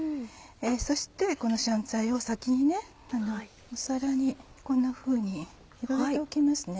そしてこの香菜を先に皿にこんなふうに広げておきますね。